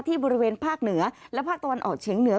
บริเวณภาคเหนือและภาคตะวันออกเฉียงเหนือ